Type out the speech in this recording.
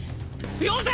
よせ！